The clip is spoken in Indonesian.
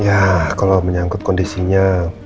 ya kalau menyangkut kondisinya